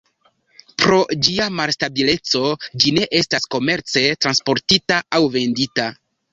Pro ĝia malstabileco ĝi ne estas komerce transportita aŭ vendita.